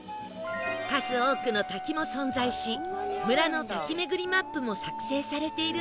数多くの滝も存在し村の「滝めぐりマップ」も作成されているほど